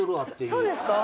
そうですか？